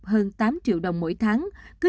hơn tám triệu đồng mỗi tháng cứ